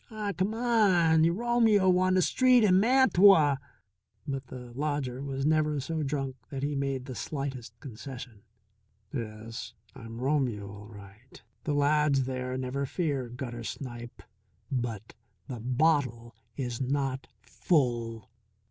"Aw, c'mon, yuh Romeo on th' street in Mantua." But the lodger was never so drunk that he made the slightest concession. "Yes, I'm Romeo all right the lad's there, never fear, gutter snipe. But the bottle is not full."